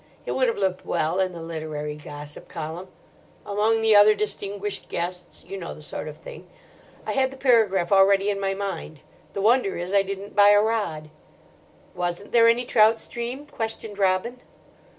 It would have looked well in the Literary Gossip column: 'Among the other distinguished guests'—you know the sort of thing. I had the paragraph already in my mind. The wonder is I didn't buy a rod." "Wasn't there any trout stream?" questioned Robin.